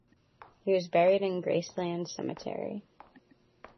He was buried in Graceland Cemetery.